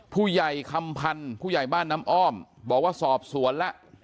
ผู้ใหญ่คำพันธ์ผู้ใหญ่บ้านน้ำอ้อมบอกว่าสอบสวนแล้ว